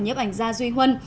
nhấp ảnh gia duy huân